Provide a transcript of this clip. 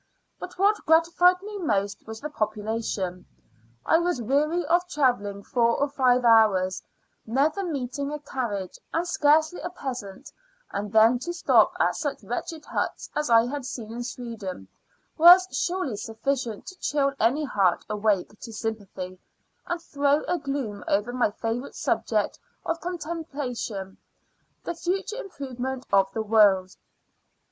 But what gratified me most was the population. I was weary of travelling four or five hours, never meeting a carriage, and scarcely a peasant; and then to stop at such wretched huts as I had seen in Sweden was surely sufficient to chill any heart awake to sympathy, and throw a gloom over my favourite subject of contemplation, the future improvement of the world.